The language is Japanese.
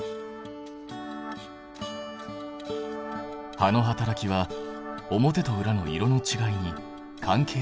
葉の働きは表と裏の色のちがいに関係あるのだろうか？